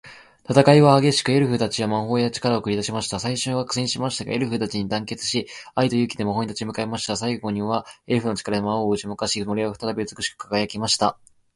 戦いは激しく、エルフたちは魔法や力を繰り出しました。最初は苦戦しましたが、エルフたちは団結し、愛と勇気で魔王に立ち向かいました。最後には、エルフの力が魔王を打ち負かし、森は再び美しく輝きました。